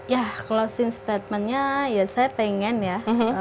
ya closing statementnya ya saya pengen ya